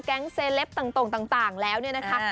แก๊งเซเลปต่างต่างแล้วเนี่ยนะคะ